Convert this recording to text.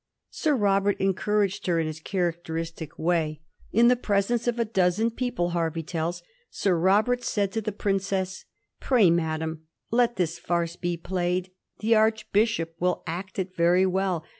Sir Robert en couraged her in his characteristic way. In the presence of a dozen people, Hervey tells, Sir Robert said to the princess :" Pray, madam, let this farce be played ; the archbishop will act it very well.